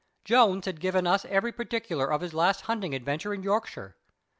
Jones had given us every particular of his last hunting adventure in Yorkshire.